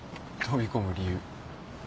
飛び込む理由。